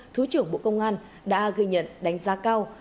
thứ trưởng bộ công an đã ghi nhận đánh giá cao